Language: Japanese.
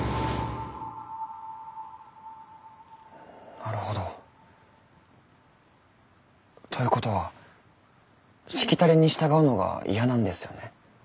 なるほど。ということはしきたりに従うのが嫌なんですよね？